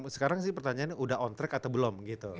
sekarang sih pertanyaannya udah on track atau belum gitu